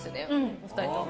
お二人とも。